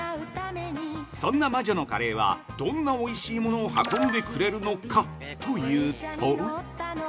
そんな魔女のカレーは、どんなおいしいものを運んでくれるのかというと